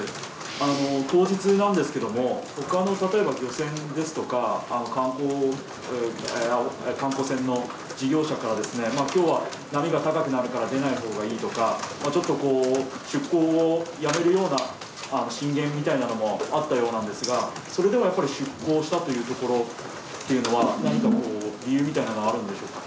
当日なんですけども、ほかの例えば漁船ですとか、観光船の事業者から、きょうは波が高くなるから出ないほうがいいとか、ちょっとこう、出航をやめるような進言みたいなのもあったようなんですが、それでもやっぱり出航したというところというのは、なにかこう、理由みたいなのはあるんでしょうか。